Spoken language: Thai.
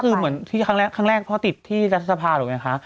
ก็คือเหมือนที่ครั้งแรกพอติดที่รัฐสภาหรือไงคะ